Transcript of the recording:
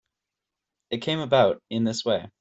It came about in this way.